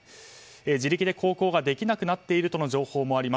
自力で航行ができなくなっているとの情報もあります。